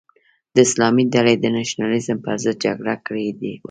د اسلامي ډلې د نشنلیزم پر ضد جګړه کړې وه.